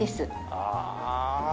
ああ。